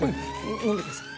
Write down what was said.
飲んでください。